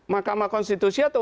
mahkamah konstitusi atau